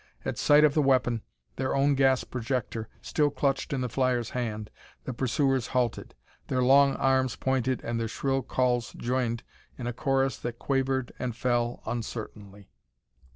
At sight of the weapon, their own gas projector, still clutched in the flyer's hand, the pursuers halted. Their long arms pointed and their shrill calls joined in a chorus that quavered and fell uncertainly.